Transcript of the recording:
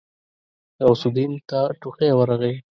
غوث الدين ته ټوخی ورغی.